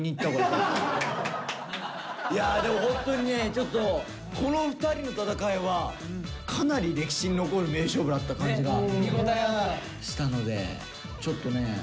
でもホントにねちょっとこの２人の戦いはかなり歴史に残る名勝負だった感じがしたのでちょっとね